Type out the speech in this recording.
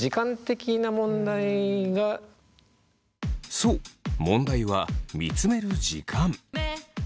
そう問題は見つめる時間。